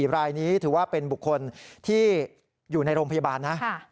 รายนี้ถือว่าเป็นบุคคลที่อยู่ในโรงพยาบาลนะ